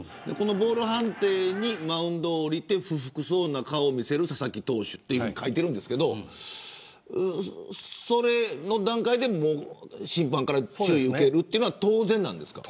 ボール判定にマウンドを降りて不服そうな顔を見せる佐々木投手と書いてあるんですがその段階で審判から注意を受けるというの当然なんですか。